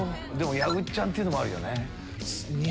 やぐっちゃんっていうのもあるよね。